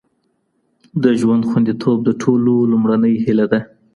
د ژوند خوندیتوب د ټولو لومړنۍ هیله ده.